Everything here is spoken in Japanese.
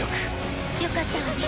よかったわね。